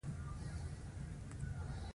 په دې ښار کې د بریښنا او اوبو سیسټم ښه کار کوي